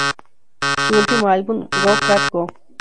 Su último álbum, "Go Cat Go!